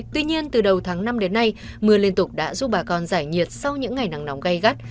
tuy nhiên từ đầu tháng năm đến nay mưa liên tục đã giúp bà con giải nhiệt sau những ngày nắng nóng gây gắt